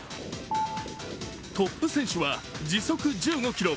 トップ選手は時速１５キロ。